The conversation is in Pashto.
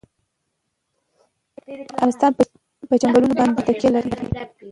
افغانستان په چنګلونه باندې تکیه لري.